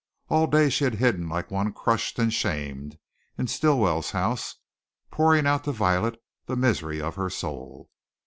All day she had hidden like one crushed and shamed, in Stilwell's house, pouring out to Violet the misery of her soul.